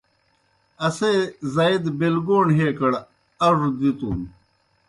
اسے زائی دہ بیلگَوݨ ہیکڑ اڙوْ دِتُن۔